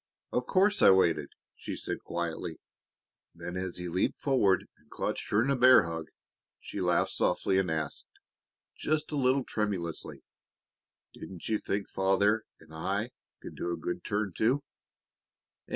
"Of course I waited!" she said quietly. Then, as he leaped forward and clutched her in a bear hug, she laughed softly and asked, just a little tremulously, "Didn't you think Father and I could do a good turn, too?"